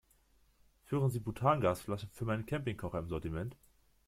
Führen Sie Butangasflaschen für meinen Campingkocher im Sortiment?